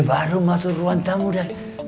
baru masuk ruang tamu dah